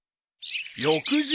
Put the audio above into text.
［翌日］